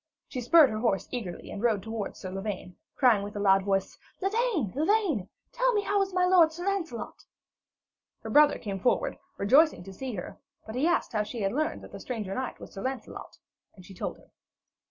She spurred her horse eagerly, and rode towards Sir Lavaine, crying with a loud voice: 'Lavaine, Lavaine, tell me how is my lord, Sir Lancelot?' Her brother came forward, rejoicing to see her, but he asked how she had learned that the stranger knight was Sir Lancelot, and she told him.